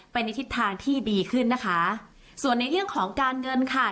ในทิศทางที่ดีขึ้นนะคะส่วนในเรื่องของการเงินค่ะ